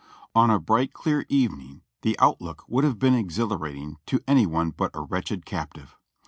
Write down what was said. On a bright, clear evening the outlook would have been exhilarating to any one but a wretched captive.